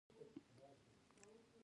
د بغلان وریجې اوږدې او نرۍ وي.